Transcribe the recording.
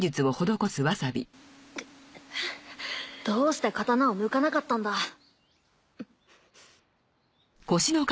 どうして刀を抜かなかったんだ。